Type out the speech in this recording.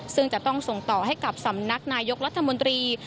ซึ่งจะต้องส่งต่อให้กับสำนักนายกรัฐมนตรี